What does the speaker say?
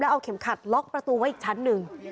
เอาเข็มขัดล็อกประตูไว้อีกชั้นหนึ่ง